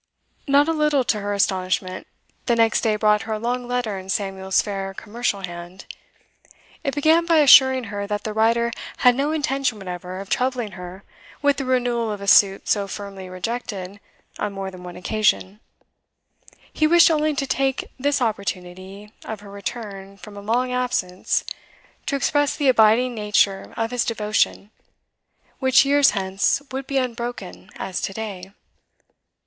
Not a little to her astonishment, the next day brought her a long letter in Samuel's fair commercial hand. It began by assuring her that the writer had no intention whatever of troubling her with the renewal of a suit so firmly rejected on more than one occasion; he wished only to take this opportunity of her return from a long absence to express the abiding nature of his devotion, which years hence would be unbroken as to day.